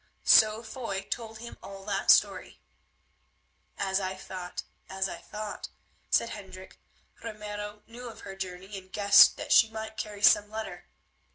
So Foy told him all that story. "As I thought, as I thought," said Hendrik. "Ramiro knew of her journey and guessed that she might carry some letter.